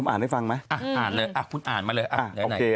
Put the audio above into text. อ่านให้ฟังไหมอ่านเลยอ่ะคุณอ่านมาเลย